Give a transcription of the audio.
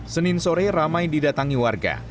senin sore ramai didatangi warga